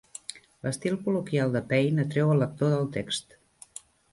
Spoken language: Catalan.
L'estil col·loquial de Paine atreu el lector al text.